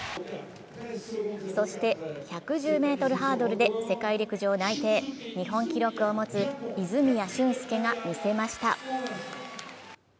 そして１１０ｍハードルで世界陸上内定日本記録を持つ泉谷駿介がみせました。